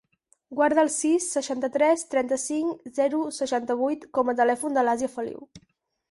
Guarda el sis, seixanta-tres, trenta-cinc, zero, seixanta-vuit com a telèfon de l'Asia Feliu.